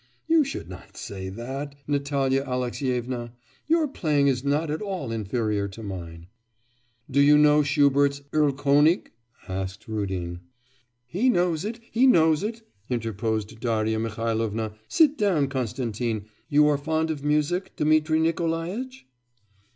'You should not say that, Natalya Alexyevna; your playing is not at all inferior to mine.' 'Do you know Schubert's "Erlkonig"?' asked Rudin. 'He knows it, he knows it!' interposed Darya Mihailovna. 'Sit down, Konstantin. You are fond of music, Dmitri Nikolaitch?